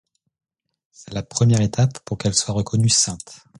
C'est la première étape pour qu'elle soit reconnue sainte.